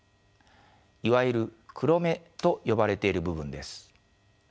いわゆる黒目と呼ばれている部分です。